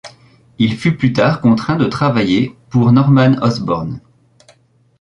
Il fut plus tard contraint de travailler pour Norman Osborn.